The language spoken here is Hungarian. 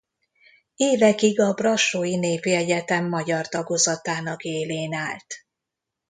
Évekig a brassói Népi Egyetem magyar tagozatának élén állt.